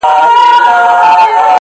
ښكلي چي گوري، دا بيا خوره سي.